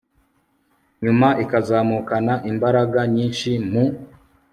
nyuma ikazamukana imbaraga nyinshi. mu